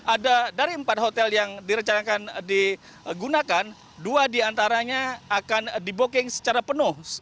ada dari empat hotel yang direncanakan digunakan dua diantaranya akan diboking secara penuh